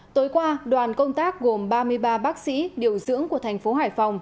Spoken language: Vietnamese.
tối qua đoàn công tác gồm ba mươi ba bác sĩ điều dưỡng của thành phố hải phòng